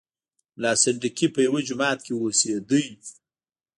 ملا سنډکی په یوه جومات کې اوسېدی.